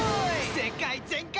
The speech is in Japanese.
世界全快！